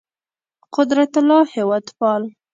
قدرت الله هېوادپال